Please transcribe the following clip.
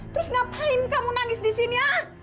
terus ngapain kamu nangis di sini ya